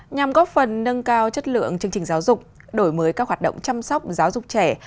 nhằm góp phần nâng cao chất lượng chương trình giáo dục đổi mới các hoạt động chăm sóc giáo dục trẻ